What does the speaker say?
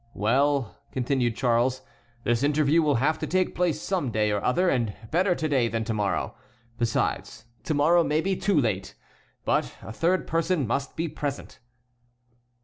"Well," continued Charles, "this interview will have to take place some day or other, and better to day than to morrow. Besides, to morrow may be too late. But a third person must be present."